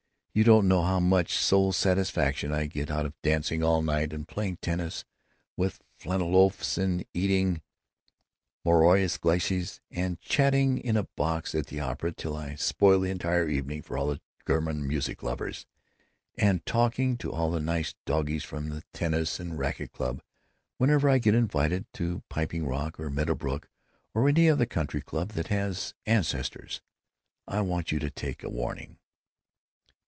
You don't know how much soul satisfaction I get out of dancing all night and playing tennis with flanneled oafs and eating marrons glacés and chatting in a box at the opera till I spoil the entire evening for all the German music lovers, and talking to all the nice doggies from the Tennis and Racquet Club whenever I get invited to Piping Rock or Meadow Brook or any other country club that has ancestors. I want you to take warning."